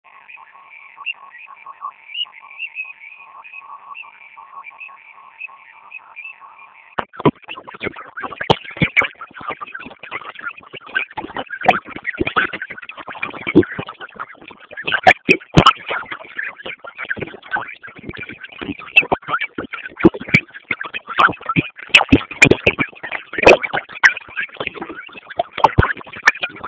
Ondoa kwenye mafuta na kukausha